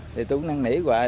thì tôi cũng đang nỉ hoài